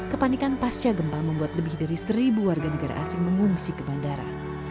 kepanikan pasca gempa membuat lebih dari seribu warga negara asing mengungsi ke bandara